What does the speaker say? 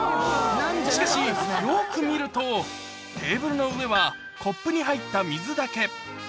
しかし、よく見ると、テーブルの上はコップに入った水だけ。